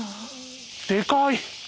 でかい！